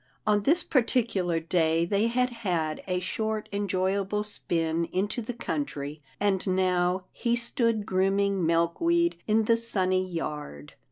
On this particular day they had had a short enjoy able spin into the country, and now he stood groom ing Milkweed in the sunny yard.